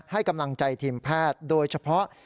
ให้กำลังใจทีมแพทย์โดยเฉพาะ